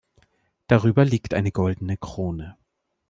Darüber liegt eine goldene Krone.